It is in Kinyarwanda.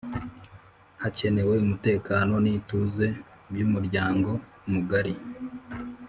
hakenewe umutekano n’ituze by’umuryango mugari